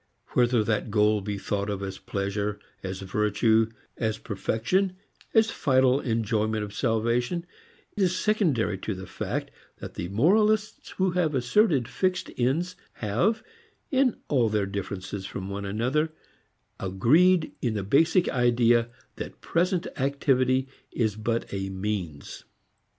Whether that goal be thought of as pleasure, as virtue, as perfection, as final enjoyment of salvation, is secondary to the fact that the moralists who have asserted fixed ends have in all their differences from one another agreed in the basic idea that present activity is but a means.